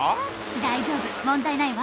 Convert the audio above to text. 大丈夫問題ないわ。